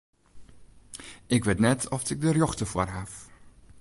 Ik wit net oft ik de rjochte foar haw.